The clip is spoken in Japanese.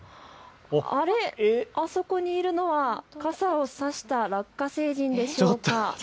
あそこにいるのは傘を差したラッカ星人でしょうか。